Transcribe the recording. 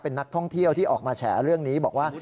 เป็นนักท่องเที่ยวที่ออกมาแฉเรื่องนี้บอกว่า